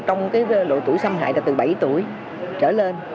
trong độ tuổi xâm hại là từ bảy tuổi trở lên